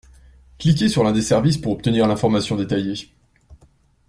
Cliquez sur l’un des services pour obtenir l’information détaillée.